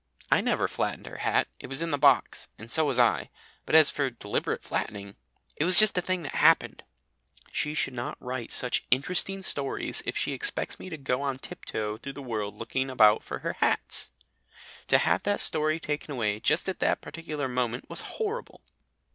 I never flattened her hat. It was in the box, and so was I; but as for deliberate flattening It was just a thing that happened. She should not write such interesting stories if she expects me to go on tiptoe through the world looking about for her hats. To have that story taken away just at that particular moment was horrible.